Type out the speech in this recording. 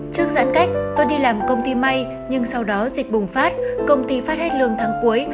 trước giãn cách tôi đi làm công ty may nhưng sau đó dịch bùng phát công ty phát hết lương tháng cuối